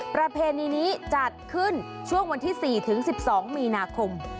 ประเพณีนี้จัดขึ้นช่วงวันที่๔ถึง๑๒มีนาคม